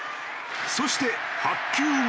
そして８球目。